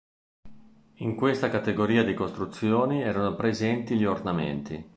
In questa categoria di costruzioni erano presenti gli ornamenti.